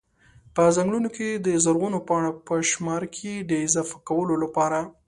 په ځنګلونو کي د زرغونو پاڼو په شمار کي د اضافه کولو لپاره